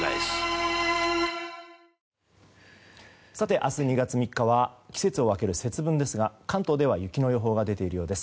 明日２月３日は季節を分ける節分ですが関東では雪の予報が出ているようです。